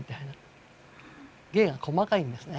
芸が細かいんですね